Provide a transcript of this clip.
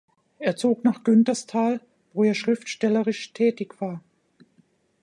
Er zog nach Günterstal, wo er schriftstellerisch tätig war.